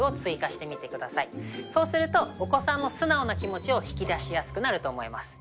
そうするとお子さんの素直な気持ちを引き出しやすくなると思います。